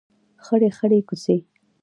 خړې خړۍ کوڅې